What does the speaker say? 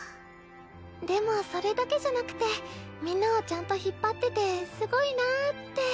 でもそれだけじゃなくてみんなをちゃんと引っ張っててすごいなぁって。